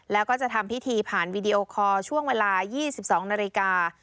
แล้วก็จะทำพิธีผ่านวีดีโอคอร์ช่วงเวลา๒๒นาฬิกา